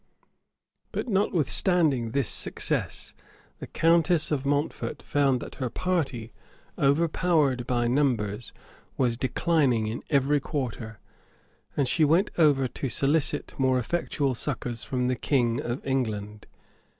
81. But notwithstanding this success, the countess of Mountfort found that her party, overpowered by numbers, was declining in every quarter; and she went over to solicit more effectual succors from the king of England.